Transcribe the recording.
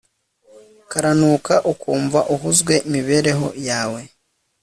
karanuka ukumva uhuzwe imibereho yawe